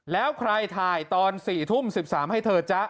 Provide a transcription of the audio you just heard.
แล้วใครถ่ายตอน๔ทุ่ม๑๓ให้เธอจ๊ะ